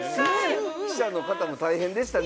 記者の人も大変でしたね。